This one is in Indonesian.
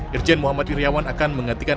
irjen muhammad iryawan akan menggantikan